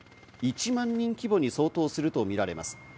１万人規模に相当するとみられます。